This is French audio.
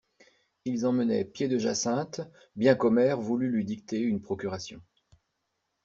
Ils emmenaient Pied-de-Jacinthe, bien qu'Omer voulût lui dicter une procuration.